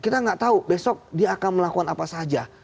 kita nggak tahu besok dia akan melakukan apa saja